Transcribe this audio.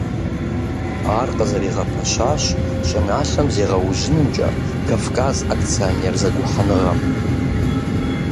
Ар къызэригъэпэщащ щӀыналъэм зегъэужьынымкӀэ «Кавказ» акционер зэгухьэныгъэм.